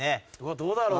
どうだろう？